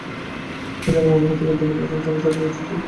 সেই সঙ্গে মনে হচ্ছে কয়েকজন মানুষ যেন চারদিকে ছোটাছুটি করছে।